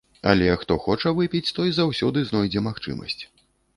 Але хто хоча выпіць, той заўсёды знойдзе магчымасць.